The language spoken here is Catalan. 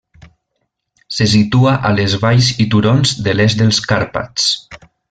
Se situa a les valls i turons de l'est dels Carpats.